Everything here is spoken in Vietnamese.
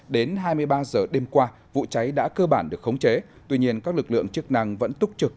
đến hai mươi ba h đêm qua vụ cháy đã cơ bản được khống chế tuy nhiên các lực lượng chức năng vẫn túc trực